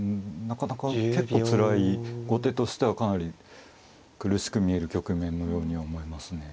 なかなか結構つらい後手としてはかなり苦しく見える局面のようには思いますね。